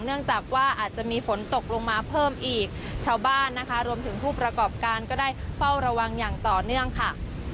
เนื่องจากว่าอาจจะมีฝนตกลงมาเพิ่มอีกชาวบ้านนะคะรวมถึงผู้ประกอบการก็ได้เฝ้าระวังอย่างต่อเนื่องค่ะ